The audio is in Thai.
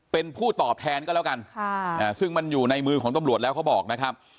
เป็นผู้ตอบแทนก็แล้วกันซึ่งมันอยู่ในมือของตำรวจแล้วเขาบอกนะครับ